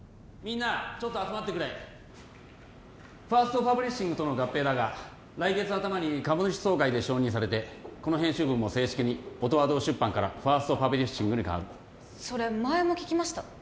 みんなちょっと集まってくれファーストパブリッシングとの合併だが来月頭に株主総会で承認されてこの編集部も正式に音羽堂出版からファーストパブリッシングに変わるそれ前も聞きました